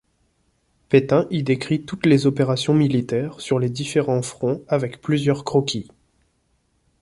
Pétain y décrit toutes les opérations militaires sur les différents fronts avec plusieurs croquis.